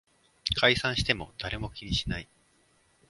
解散しても誰も気にしない